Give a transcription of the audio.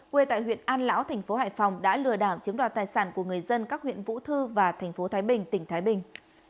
quê tại huyện an lão thành phố hải phòng đã lừa đảo chiếm đoạt tài sản của người dân các huyện vũ thư và thành phố thái bình tỉnh thái bình